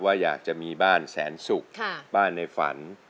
ว่าอยากจะมีบ้านแสนสุขบ้านในฝัน